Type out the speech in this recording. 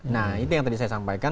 nah itu yang tadi saya sampaikan